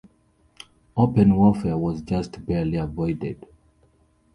Open warfare was just barely avoided.